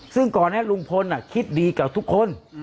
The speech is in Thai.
ซึ่งก่อนนั้นลุงพลคิดดีกับทุกคน